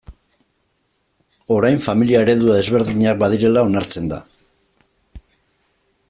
Orain familia eredu desberdinak badirela onartzen da.